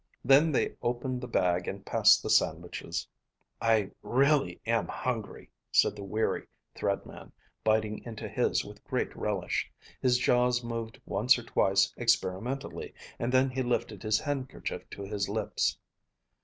Then they opened the bag and passed the sandwiches. "I really am hungry," said the weary Thread Man, biting into his with great relish. His jaws moved once or twice experimentally, and then he lifted his handkerchief to his lips.